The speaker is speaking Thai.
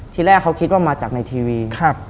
ทีแรกเขาคิดว่ามาจากในทีวี